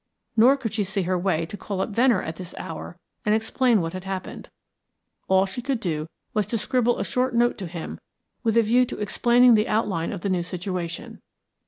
Nor could she see her way to call up Venner at this hour and explain what had happened. All she could do was to scribble a short note to him with a view to explaining the outline of the new situation.